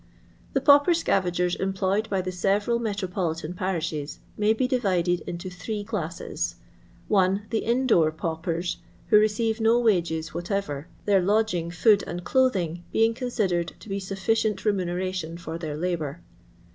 The pauper scavagers employed by the several mttropolitan parishes may be divided into three classes: — 1. The in door paupers, who receive no ^'ages whatever (their lodging, food, and clothing being considered to be sufficient remuneration for their labour).